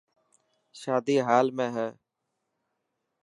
شادي هال ۾ هي.